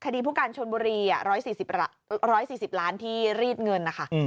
ผู้การชนบุรี๑๔๐ล้านที่รีดเงินนะคะ